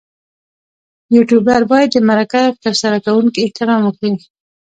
یوټوبر باید د مرکه ترسره کوونکي احترام وکړي.